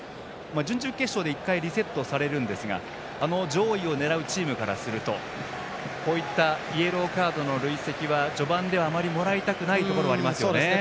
準々決勝で１回リセットされるんですが上位を狙うチームからするとイエローカードの累積は序盤ではあまりもらいたくないところではありますよね。